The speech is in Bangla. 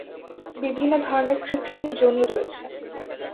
বিভিন্ন ধরনের কৃত্রিম যোনি রয়েছে।